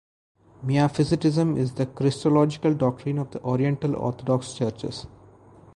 Miaphysitism is the christological doctrine of the Oriental Orthodox churches.